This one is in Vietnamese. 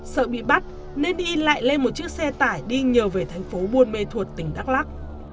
sợ bị bắt nên y lại lên một chiếc xe tải đi nhờ về thành phố buôn mê thuột tỉnh đắk lắc